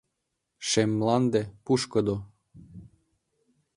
Шем мланде — пушкыдо